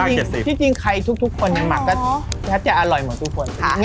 คือจริงไข่ทุกคนเนี่ยหมักก็จะอร่อยเหมือนทุกคน